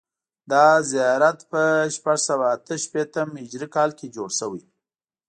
دا زیارت په شپږ سوه اته شپېتم هجري کال کې جوړ شوی.